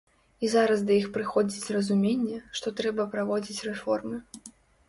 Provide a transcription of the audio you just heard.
І зараз да іх прыходзіць разуменне, што трэба праводзіць рэформы.